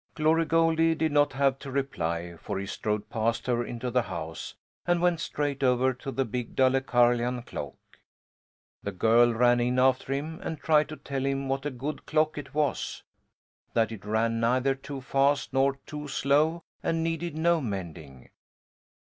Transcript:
Glory Goldie did not have to reply, for he strode past her into the house and went straight over to the big Dalecarlian clock. The girl ran in after him and tried to tell him what a good clock it was, that it ran neither too fast nor too slow and needed no mending.